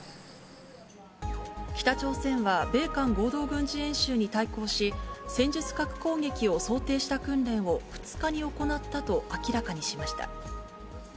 北朝鮮は米韓合同軍事演習に対抗し、戦術核攻撃を想定した訓練を２日に行ったと明らかにしました。